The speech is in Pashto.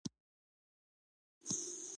بشریت په بې لارۍ او خپل سرویو کې و په پښتو ژبه.